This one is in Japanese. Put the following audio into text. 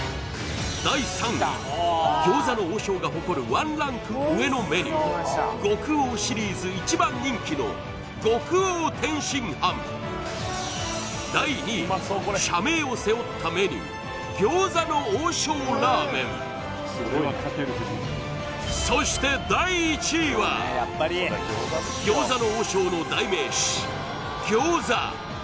第３位餃子の王将が誇るワンランク上のメニュー極王シリーズ一番人気の第２位は社名を背負ったメニューそして第１位は餃子の王将の代名詞餃子